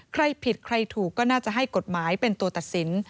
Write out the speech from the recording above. ใครผิดใครถูกก็น่าจะให้กฎหมายเป็นตัวตัดสิน